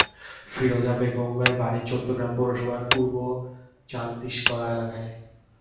ফিরোজা বেগমের বাড়ি চৌদ্দগ্রাম পৌরসভার পূর্ব চান্দিশকরা এলাকায়।